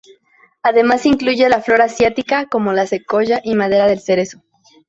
Además incluye la flora asiática como la secoya y madera de cerezo.